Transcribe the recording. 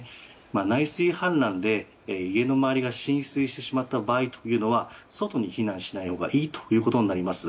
内水氾濫で家の周りが浸水してしまった場合は外に避難しないほうがいいということになります。